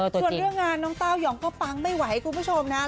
ส่วนเรื่องงานน้องเต้ายองก็ปังไม่ไหวคุณผู้ชมนะ